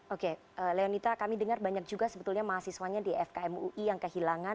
oke leonita kami dengar banyak juga sebetulnya mahasiswanya di fkm ui yang kehilangan